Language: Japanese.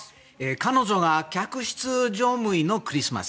彼女が客室乗務員のクリスマス